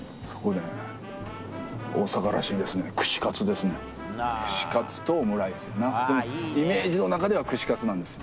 でもイメージの中では串カツなんですよ。